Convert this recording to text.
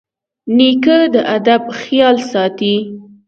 نیکه د ادب خیال ساتي.